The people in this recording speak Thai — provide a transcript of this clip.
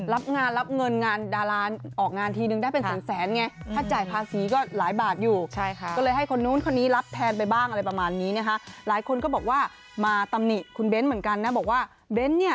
รับงานรับเงินงานดาราออกงานทีนึงได้เป็นสนแสนไง